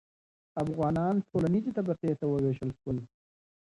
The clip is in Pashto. افغانان ټولنیزې طبقې ته وویشل شول.